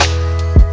terima kasih ya allah